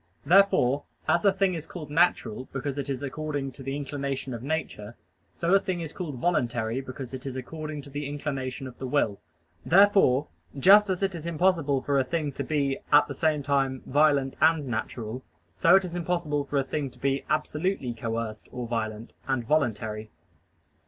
Therefore, as a thing is called natural because it is according to the inclination of nature, so a thing is called voluntary because it is according to the inclination of the will. Therefore, just as it is impossible for a thing to be at the same time violent and natural, so it is impossible for a thing to be absolutely coerced or violent, and voluntary.